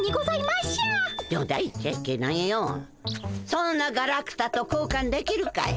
そんなガラクタと交換できるかい。